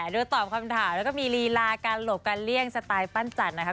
โดยตอบคำถามแล้วก็มีลีลาการหลบการเลี่ยงสไตล์ปั้นจันทร์นะครับ